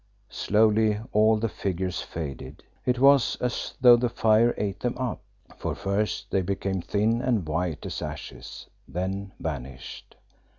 Slowly all the figures faded; it was as though the fire ate them up, for first they became thin and white as ashes; then vanished.